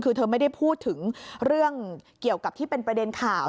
คือเธอไม่ได้พูดถึงเรื่องเกี่ยวกับที่เป็นประเด็นข่าว